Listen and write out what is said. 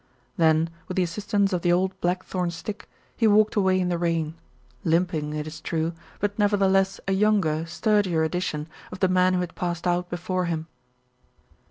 Then with the assistance of the old blackthorn stick he walked away in the rain, limping, it is true, but nevertheless a younger, sturdier edition of the man who had passed out before him.